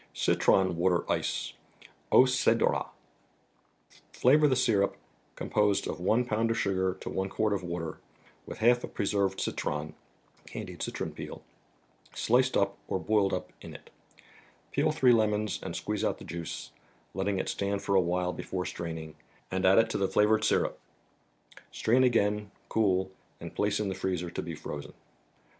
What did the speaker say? Citron flUater 9Jce (au Cctsrat). Flavor the syrup, composed of one pound of sugar to one quart of water, with half a preserved citron (candied citron peel), sliced up, or boiled up, in it. Peel three lemons and squeeze out the juice, letting it stand for a while before straining, and add it to the flavored syrup. Strain again, cool, and place in the freezer to be frozen.